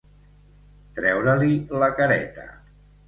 Treure-li la careta.